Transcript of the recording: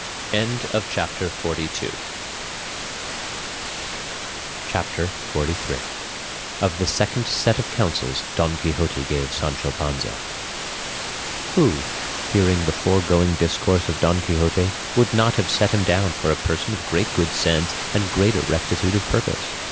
CHAPTER XLIII. OF THE SECOND SET OF COUNSELS DON QUIXOTE GAVE SANCHO PANZA Who, hearing the foregoing discourse of Don Quixote, would not have set him down for a person of great good sense and greater rectitude of purpose?